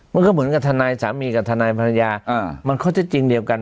มันก็เหมือนกับทนายสามีกับทนายภรรยามันข้อเท็จจริงเดียวกัน